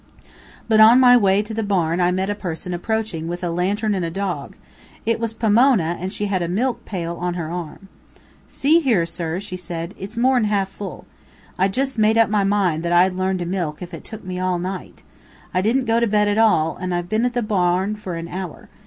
But on my way to the barn I met a person approaching with a lantern and a dog. It was Pomona, and she had a milk pail on her arm. "See here, sir," she said, "it's mor'n half full. I just made up my mind that I'd learn to milk if it took me all night. I didn't go to bed at all, and I've been at the barn fur an hour.